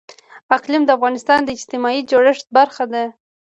اقلیم د افغانستان د اجتماعي جوړښت برخه ده.